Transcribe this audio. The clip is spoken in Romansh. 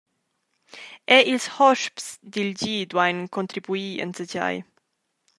Era ils hosps dil gi duein contribuir enzatgei.